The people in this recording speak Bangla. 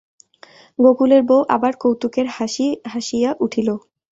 গোকুলের বউ আবার কৌতুকের হাসি হাসিয়া উঠিল।